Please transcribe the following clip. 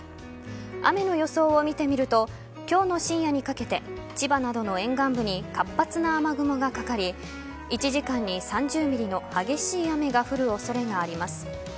雨の予想を見てみると今日の深夜にかけて千葉などの沿岸部に活発な雨雲がかかり１時間に３０ｍｍの激しい雨が降る恐れがあります。